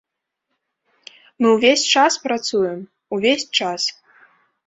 Мы ўвесь час працуем, увесь час.